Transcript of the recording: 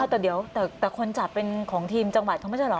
แต่เดี๋ยวแต่คนจับเป็นของทีมจังหวัดเขาไม่ใช่เหรอ